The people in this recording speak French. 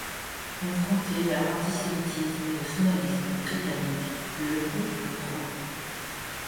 Confronté à l'antisémitisme et au snobisme britanniques, le couple rompt.